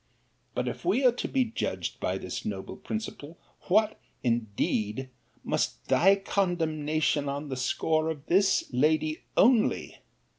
—But if we are to be judged by this noble principle, what, indeed, must be thy condemnation on the score of this lady only?